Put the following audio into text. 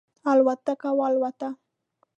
الوتکه والوته.